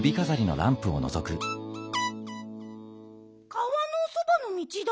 川のそばのみちだ。